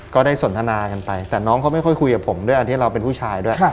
ก็ได้สนทนากันไปแต่น้องเขาไม่ค่อยคุยกับผมด้วยอันที่เราเป็นผู้ชายด้วย